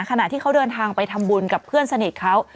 ขณะที่เขาเดินทางไปทำบุญกับเพื่อนสนิทเขา